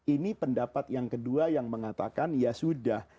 ini pendapat yang kedua yang mengatakan ya sudah